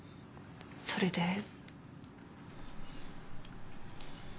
それで？